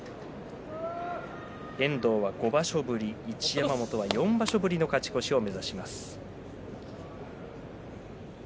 遠藤は５場所ぶり一山本は４場所ぶりの勝ち越しを目指します。